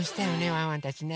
ワンワンたちね。